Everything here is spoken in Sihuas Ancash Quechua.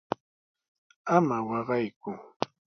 ¡Ama waqayku!